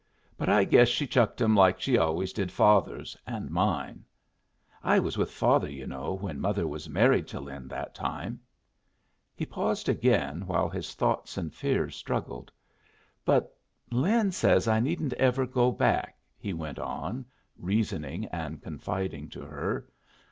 But I guess she chucked 'em like she always did father's and mine. I was with father, you know, when mother was married to Lin that time." He paused again, while his thoughts and fears struggled. "But Lin says I needn't ever go back," he went on, reasoning and confiding to her.